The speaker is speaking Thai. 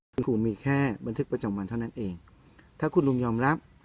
คุณครูมีแค่บันทึกประจำวันเท่านั้นเองถ้าคุณลุงยอมรับ